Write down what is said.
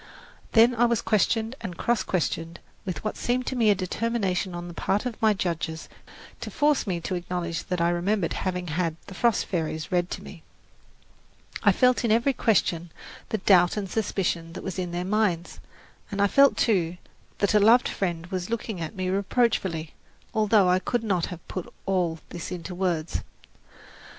Then I was questioned and cross questioned with what seemed to me a determination on the part of my judges to force me to acknowledge that I remembered having had "The Frost Fairies" read to me. I felt in every question the doubt and suspicion that was in their minds, and I felt, too, that a loved friend was looking at me reproachfully, although I could not have put all this into words.